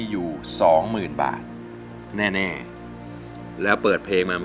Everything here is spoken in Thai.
รู้จักไหม